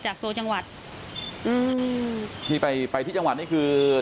จากตัวจังหวัดอืมที่ไปไปที่จังหวัดนี่คือ